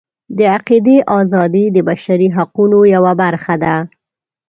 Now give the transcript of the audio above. د عقیدې ازادي د بشري حقونو یوه برخه ده.